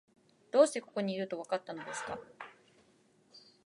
どうしてここにいると、わかったのですか？